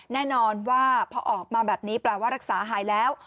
แน่นอนว่าพอออกมาแบบนี้แปลว่ารักษาหายแล้ว